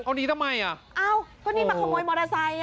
เอาหนีทำไมอ่ะอ้าวก็นี่มาขโมยมอเตอร์ไซค์อ่ะ